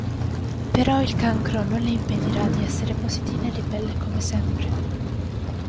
Però il cancro non le impedirà di essere positiva e ribelle come sempre.